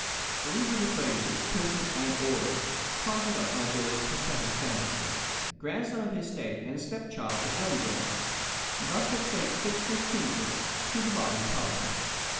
these were the phrases, printed and oral, conjured up by Billy's prophetic fancy. Grandson of his State, and stepchild to Elmville thus had fate fixed his kinship to the body politic.